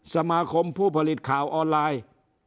สมาคมผู้ผลิตข่าวออนไลน์